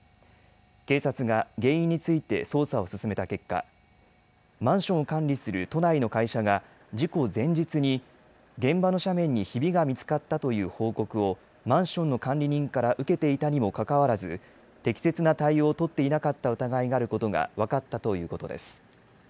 警察が原因について捜査を進めた結果、マンションを管理する都内の会社が事故前日に現場の斜面にひびが見つかったという報告をマンションの管理人から受けていたにもかかわらず適切な対応を取っていなかった疑いがあることが分かったということです。